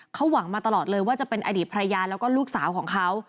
เขาหวังมาตลอดเลยว่าจะเป็นอดีตภรรยาแล้วก็ลูกสาวของเขา